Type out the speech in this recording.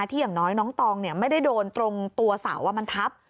อย่างน้อยน้องตองไม่ได้โดนตรงตัวเสามันทับ